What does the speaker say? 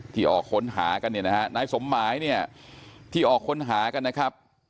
ออกค้นหากันเนี่ยนะฮะนายสมหมายเนี่ยที่ออกค้นหากันนะครับ